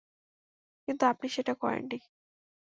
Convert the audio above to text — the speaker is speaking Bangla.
কিন্তু আপনি সেটা করেননি।